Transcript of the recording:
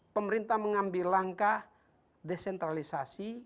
pemerintah mengambil langkah desentralisasi